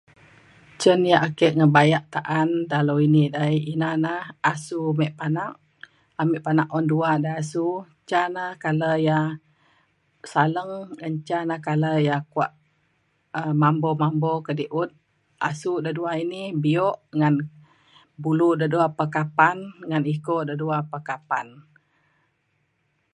cen yak ake ngebayak ta’an dalau ini dai ina na asu me panak. ame panak un dua da asu. ca na colour ya saleng ngan ca na colour ya kuak um mambo mambo kediut. asu da dua ini bio ngan bulu da dua pa kapan ngan eko da dua pa kapan.